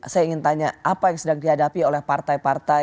saya ingin tanya apa yang sedang dihadapi oleh partai partai